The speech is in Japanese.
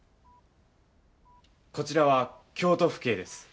こちらは京都府警です。